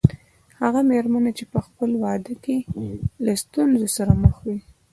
هغه مېرمنه چې په خپل واده کې له ستونزو سره مخ وي.